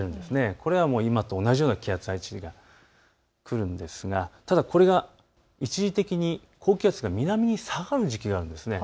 これは今と同じような気圧配置が来るんですがただこれが一時的に高気圧が南に下がる時期があるんです。